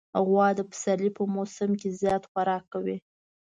غوا د پسرلي په موسم کې زیات خوراک کوي.